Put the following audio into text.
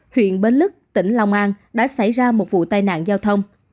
huyện bến lức tỉnh long an đã xảy ra một vụ tai nạn giao thông